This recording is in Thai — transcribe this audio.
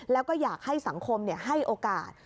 แล้วก็อยากให้สังคมให้โอกาส